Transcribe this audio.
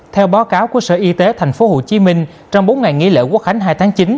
theo báo cáo của sở y tế tp hcm trong bốn ngày nghỉ lễ quốc khánh hai tháng chín